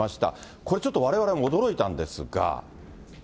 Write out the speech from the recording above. これちょっとわれわれも驚いたんですが。